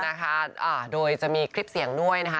ถูกต้องนะคะโดยจะมีคลิปเสียงด้วยนะคะ